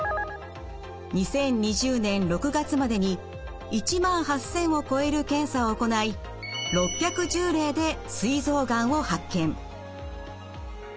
２０２０年６月までに１万８，０００を超える検査を行い６１０例ですい臓がんを発見。